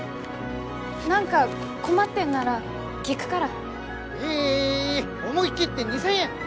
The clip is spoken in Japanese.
何か困ってんなら聞くから。え思い切って２，０００円！